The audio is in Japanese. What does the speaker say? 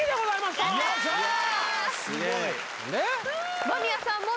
すごい。